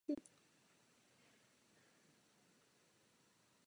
Nachází se zde největší mezinárodní letiště v oblasti.